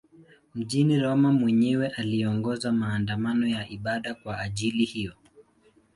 Mjini Roma mwenyewe aliongoza maandamano ya ibada kwa ajili hiyo.